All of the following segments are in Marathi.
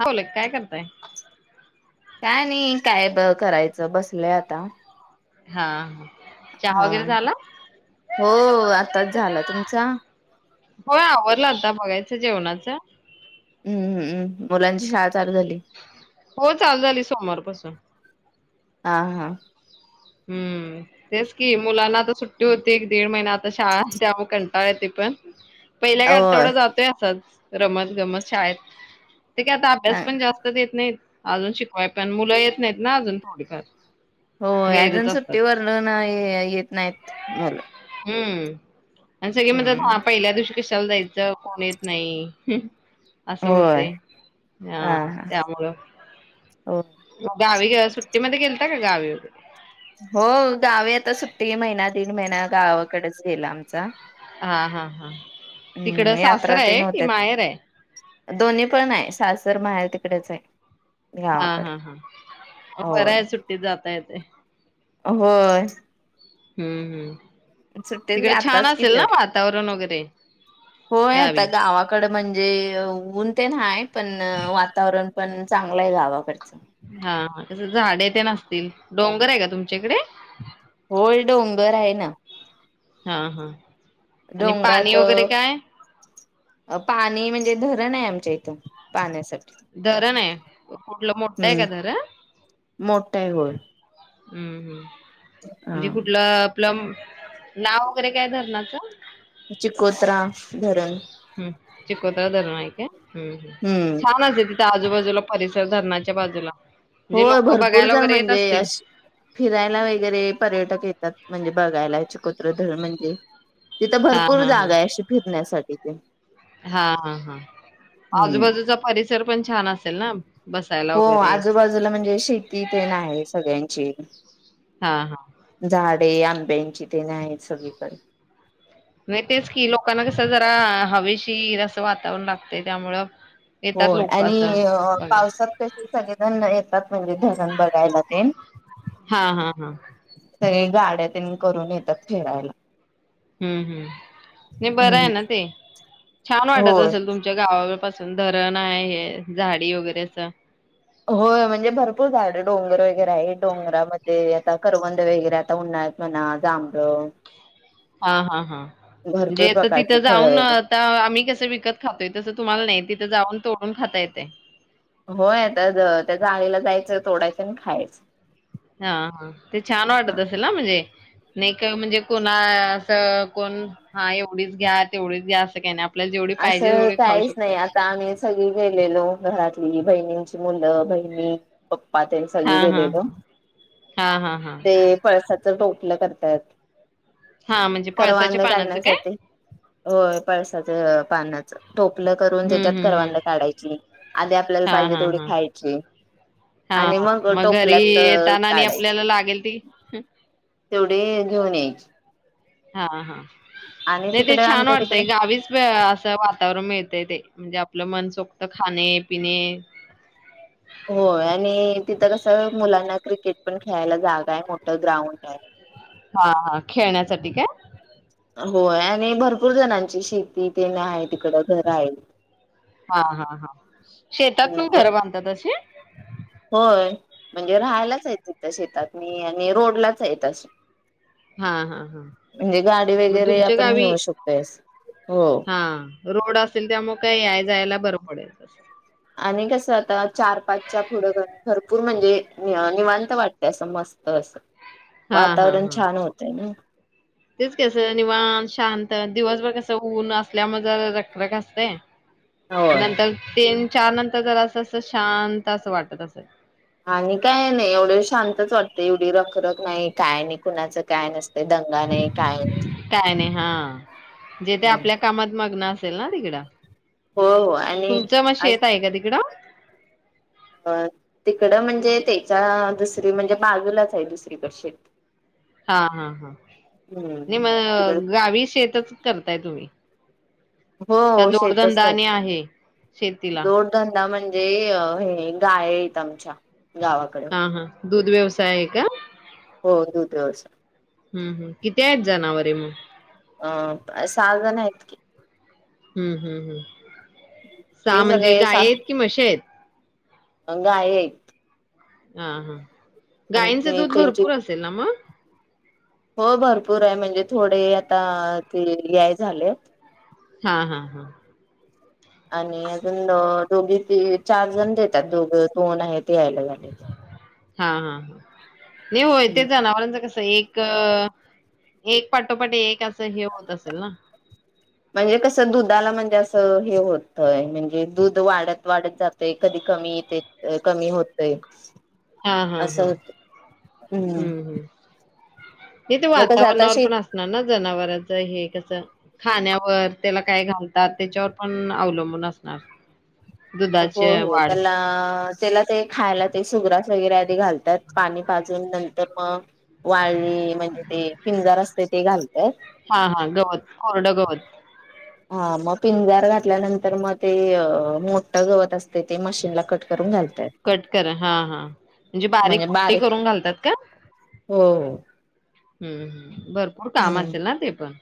ह बले काय करताय? काय नाही, कायब करायचं बसलंय आता. हा ह. हा, हो आताच झाला, तुमचा? होय, आवरला आता मागच्या जेवणाच हम्म्मम्, मुलांची शाळा चालू झाली हो, चालू झाली सोमवारपासून. हा हा. हम्म, तेच की मुलांना आता सुट्टी होती एक दीड महिना, आता शाळा त्यामुळे कंटाळली ते पण. पहिल्या एक होय आठवडा जातोय असाच. रमत गमत शाळेत ते का आता अभ्यास पण जास्त देत नाही. अजून शिकवाय पण मुलं येत नाहीत ना अजून थोडीफार हो, गैरच अजून असतात. सुट्टीवर वर्ण नाय, येत नाहीत मुलं हम. आणि सगळे म्हणत्यात हम्म हा पहिल्या दिवशी कशाला जायचं कोण येत नाही. असं होय होते हा त्यामुळं हो गावी सुट्टीमध्ये गेलता का गावी? हो गावी आता सुट्टी महिना दीड महिना गावाकडेच गेला आमचा. हा हा हां. हम्म यात्रा तेन होत्या आहे? दोन्ही पण हाय सासर माहेर. इकडेच आहे. हा हा गावाकडे हा बरं होय आहे सुट्टीत जाता यतय. होय. हम्म हम्म. सुट्टीत ग तिकडे छान आताच की असेल ना एवढं वातावरण वगैरे होय आता गावी? गावाकड म्हणजे ऊन ते हाय पण वातावरण. पण चांगलय गावाकडचं. हा तीथ झाडे तेन असतील डोंगर आहे का तुमच्याकडे. होय डोंगर हाय ना. हा हा. आणि पाणी डोंगरात वगैरे अ काय. पाणी म्हणजे धरण आहे, आमच्या इथं पाण्यासाठी. धरण हाय कुठलं मोठंय हम्म का धरण. मोठ आहे होय हम्म हम्म. हा म्हणजे कुठला. आप्ल नाव वगैरे काय धरणाचं. चिकोत्रा. धरण हम्म चिकोत्रा धरन हाय का हम्म छान होते तिथं आजूबाजूला परिस धरणाच्या बाजूला. हो म्हणजे लोक भरपूर बघायला जर वगैरे येत म्हणजे असतील. अश फिरायला वगैरे पर्यटक येतात. म्हणजे बघायला चिकोत्रा धरण म्हणजे. तिथं हा भरपूर हा हा. जागा आहे, अशी फिरण्यासाठी. ठीक आहे. हा हा हा हम्म आजूबाजूचा परिस् सर पण छान असेल ना. बसायला हो वगैरे. आजूबाजूला म्हणजे शेती तेन आहे सगळ्यांची. हा हा. झाडे आम बेंच इथे आहेत सगळीकडे. नाही तेच कि, लोकांना कसं जरा हवेशीर असं वातावरण लागतय त्यामुळं. येतात होय लोक असं ॲणि बघाय. पावसात कशी. सगळेजण येतात. सगळे धरण बघायला तेन. हा हा हा. सगळे गाड्या तेन करून येतात फिरायला. हम्म हम् नाही बरं आहे, हम्म ना ते छान वाटत होय असेल तुमच्या गावाकडे. पासून धरण आहे, हे झाडी वगैरे अस. हो म्हणजे भरपूर झाड डोंगर वगैरे आहे, डोंगरामध्ये आता करवंद वगैरे आता उन्हाळ्यात आहेत, म्हणा जांभळ. हा हा हा भरपूर म्हणजे आ प्रकारचे तिथं फळ जाऊन वगैरे आता आम्ही कसं विकत खातोय, तसं तुम्हाला नाही तिथं जाऊन. तोडून खाता येते. होय आता त्या जाळीला जायचं तोडायचं आणि खायचं हा हा ते छान वाटत असेल ना म्हणजे नाही का म्हणजे कोणा असं कोण हा एवढीच घ्या तेवढीच घ्या असं काही नाही आपल्याला जेवढी पाहिजे असं तेवढी खाऊ काहीच नाही शकतो. आता आम्ही सगळी गेलेलो घरात. तिन्ही बहिणींची मुलं बहिणी पप्पा तेन सगळी हां, हां, गेल्यालो हां. हां, हां, हां. ते पळसा त्याच टोपलं करतायात हा म्हणजे पळसाच्या पानाचं काय होय पाळसा पानाच टोपलं करून हं, त्याच्यात हं, हं. करवांद काढायची आधी आपल्याला हां, पाहिजे हां, तेवढी हां. खायाची हां, आणि हां. मग घरी टोपल्यात येताना आणि काढायची आपल्याला लागेल ती तेवढी घेऊन यायची हा हा आणि नाही ते तिकडे छान आमच्या तिकडे वाटतय गावीच असं वातावरण मिळतय ते म्हणजे आपलं मन सोक्त खाणे पिणे होय आणि तिथं कसं मुलांना क्रिकेट पण खेळायला जागा आहे मोठं ग्राउंड आहे हा हा खेळण्यासाठी काय होय आणि भरपूर जणांची शेती तेन आहे तिकड घर आहे हा हा हा शेतात पण घर बांधतात अशी होय म्हणजे राहायलाच आहेत तिथं शेतातनी आणि रोडलाच आहेत अस हा हा हा मग वगैरे तुमच्या आपण गावी नेऊ शकतोयस. हो. हा रोड असेल त्यामुळे काय याय जायाला बर पडेल तस आणि कसं आता चार पाचच्या पुुढं भरपूर म्हणजे निवां निवांत वाटते असं मस्त असं हा हा वातावरण हा छान होतय नाही तेच कस निवांत शांत दिवसभर कस ऊन असल्यामुळे जरा रखरख असतय होय. नंतर तीन चार नंतर जर असं अस शांत असं वाटत असे आणि काय नाही एवढे शांतच वाटते एवढी रखरख नाही काय नाही कुणाचं काय नस ते दंगा नाही काय नाही काय नाही हा जे ते हम्म. आपल्या कामात मग्न अस [unintelligible] तिकडा हो हो आणि आज का तिकडं? अ तिकडं म्हणजे त्याच्या दुसरी म्हणजे बाजूलाच आहे दुसरीकडशीट हा हा हा नाही हम्म. तिकडे मग गावी शेतच करताय तुम्ही का हो शेतच जोडधंदा कर आणि आहे शेतीला? जोडधंदा म्हणजे हे गाये हाईत आमच्या, गावाकडे हा हा दूध व्यवसाय आहे का? हो, दुध व्यवसा हम्म हम् किती आहेत जनावरे मग? अ प्प सहा जण आहेत की, हम्म! हम्म! हम्म! साहा ते म्हणजे गाय आहेत कि म्हशी आहेत. अं गायी आहेत. हाह हा! गायींचं आणि दूध त्यांची भरपूर असेल ना मग? हो भरपूर आहे, म्हणजे थोडे आता ते याय झाले हा हा हा. आणि अजून दोओ दोघी तिये चार जण देतात, दोघ दोन आहेत ते यायला झाले. हा हा हा. निही होय, ते जनावरांचं कसं एक... एक पाटोपाट, एक अस म्हणजे कसं दुधाला म्हणजे असं अं हे होतय म्हणजे दूध वाढत वाढत जातयं, कधी कमी येते अं कमी होतय. हा हा हा असं हम्म! हम्म! निहीते मग कसं आता वातावरणावर शेती पण असणार ना जनावरांच हे कसं खाण्यावर त्याला काय घालतात त्याच्यावर पण अवलंबून असणार. हो दुधाची हो वाढ त्यालाआ त्याला ते खायला ते सुुग्रासं वगैरे आधी घालतात पाणी पाजून नंतर मंअ वाळळी म्हणजे, ते पिंजार असतेयं ते घालत. हा हा गवतं कोरडं गवतं. हा मग पिंजर घातल्यानंतर मं ते अं मोठ गवत असते ते मशीनला कट करून घालतात कट करा हा हा म्हणजे बारीक म्हणजे कुट्टी बारीक करून घालतात का? हो हम् हम भरपूर काम हम्म असेल ना ते पण,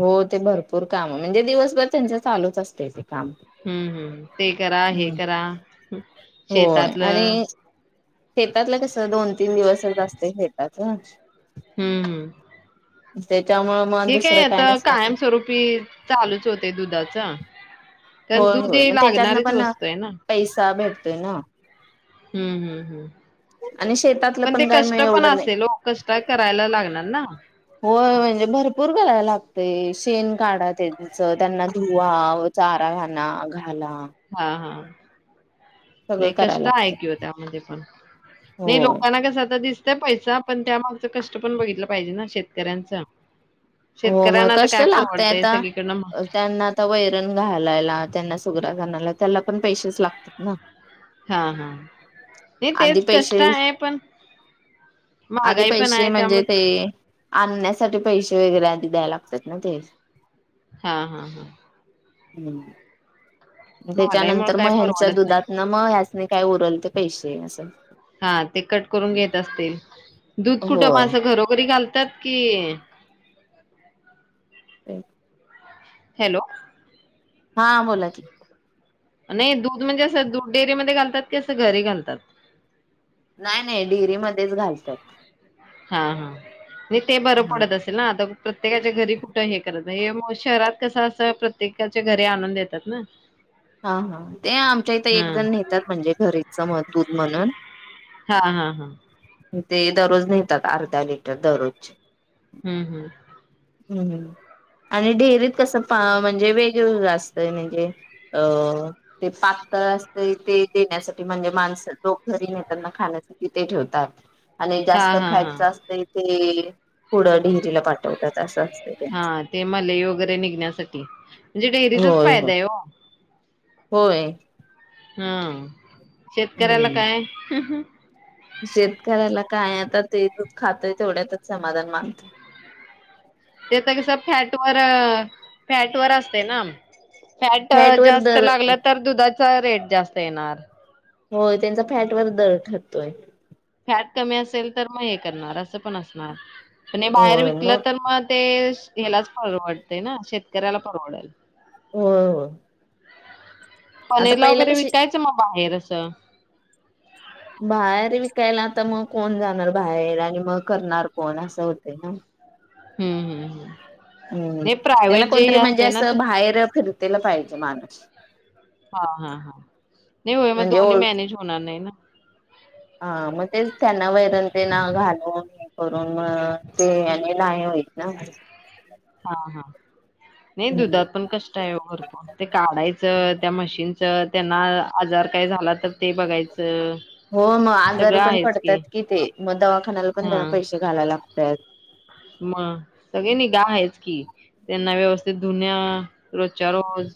हो ते भरपूर काम म्हणजे दिवसभर त्यांच्या चालूच असते. काम हम्म हम्म ते करा, हे करा, होय शेतातलं, आणि शेतातलं कस दोन तीन दिवस असत शेताच हम्म हम्म! ते त्यामुळे मन दुसर ता कायमस्वरूपी चालूच होते दुधाच. कारण होय दूध होय हे मग त्याच्यातन लागणारीच पण वस्तू आहे ना. पैसा भेटतोय ना! हम्म हम्म हम्म. आणि शेतातलं पण ते काही मग कष्ट पण एवढं नाही. असेल ओ कष्ट करायला लागणार ना! होय म्हणजे भरपूर करायला लागते शेण काढा त्यांच त्यांना धुवा, चारा घाणा घा हा हा सगळं नाही करायला कष्ट आहे लागतय की त्यामध्ये पण नाही होय. लोकांना कसे दिसते. पैसा पण त्यामागच कष्ट पण बघितलं पाहिजे ना शेतकऱ्यांचे हो मग कष्ट लागतय आता सगळीकडनं त्यांना आता वैरण घालायला त्यांना सुगरा घनाला. त्याला पण पैसेच लागतात ना. हा हा नाही आधी तेच कष्ट पैसे आहे पण आधी महागाई पण पैसे आहे त्या म्हणजे मग ते आणण्यासाठी पैसे वगैरे आधी द्याय लागतात ना ते हा हा हा हम्म महागाईमुळे त्याच्यानंतर काय मग ह्यांच्या परवडत नाही दुधात ना मग ह्या सनी काय ऊरलेत. पैसे असंल हा ते कट करून घेत असतील दूध कुठं होय. माणसे घरोघरी घालतात. की नाई [unintelligible] हॅलो, हा बोला की, नाही दूध म्हणजे असं दूध डेअरीमध्ये घालतात की असं घरी घालतात. नाही नाही डेअरी मध्ये घालतात. हा हा नाही ते बरं हा पडत असेल ना आता प्रत्येकाच्या घरी कुठं हे करत नाही मग शहरात कसं असं प्रत्येकाच्या घरी आणून देतात ना. हा हा ते आमच्या इथे एक हा जण नेतात म्हणजे घरीच दूध म्हणून हा हा हा ते दररोज नेतात अर्धा लिटर दररोजचे हम्म हम्म हु आणि डेअरीत कसं म्हणजे वेगवेगळं असतंय म्हणजे अं ते पातळ असतं ते देण्यासाठी म्हणजे माणस लोक घरी नेतात खाण्यासाठी ते ठेवतात. आणि हा जास्त हा हा फॅटच असते. ते पुढं डेरीला पाठवतात. तत. हा ते मलई वगैरे निघण्यासाठी डेअरीचाच होय होय फायदा आहे हो. होय. हा शेतकऱ्याला हम्म काय शेतकऱ्याला काय आता ते दूध खातय, तेवढ्यातच समाधान मानत. ते तर कसं फॅटवर फॅट वर असते ना. फॅट वर जास्त दर लागलं तर दुधाचा रेट जास्त येणार होय त्यांचा फॅट वर दर ठरतोय फॅट कमी असेल तर मग हे करणार असं पण असणार प बाहेर विकलं तर मग ते हलाच परवडतेय ना शेतकऱ्याला परवडेल हो पनेरा वगैरे विकायचं मग बाहेरच स बाहेर विकायला आता मग कोण जाणार बाहेर आणि मग करणार कोण असं होत ना हम्म हम्म हम् हम्म हे प्रायवहेट जेही कोणतरी म्हणजे असते ना ते असं बाहेर फिरतेला त्याला पाहिजे माणूस हा हा हा नाही हो म म्हणजे दोनही ओळ मॅनेज होणार नाही ना हा मग तेच त्यांना वैर ते ना घालून हे करून ते आणि नाही होईत ना हा हा नाही हम्म दुधात पण कष्ट आहे भरपूर ते काढायच च त्या मशीनचं त्यांना आजार काय झाला तर ते बघायचं हो मग आजारी सगळं पण आहेच की पडतात कि ते मग दवाखान्याला पण त्यांना हा पैसे घालायला लागतात मग सगळेनी गा आहेच की त्यांना व्यवस्थित धुन रोजच्या रोज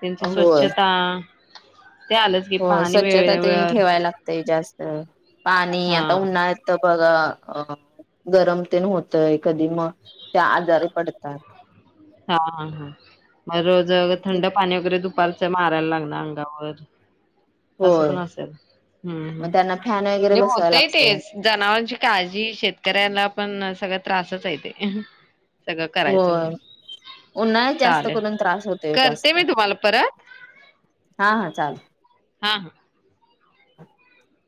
त्यांची होय स्वच्छता ते आलंच की हो पाणी स्वच्छता वेळेवर ठेवाय लागते जास्त ह पाणी हा आता हा उन्हात बघ अ गरम तेन होतय कधी मग त्या आजारी पडतात हा हा हा मग रोज थंड पाणी वगैरे दुपारच मारायला लागणार कार असं पण होय असेल हम्म मग त्यांना फॅन वगैरे ह् बसवायला होतय लागतोय तेच जनावरांची काळजी शेतकऱ्याला पण सगळ्यात त्रासच हाय ते सगळं करायचं होय. म्हणजे उन्हाळ्यात जास्त चालेल करून त्रास होतोय करते जास्त मी तुम्हाला परत हा हा चालल [inaudible] हा हा [inaudible]